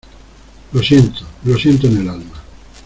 lo siento, lo siento en el alma.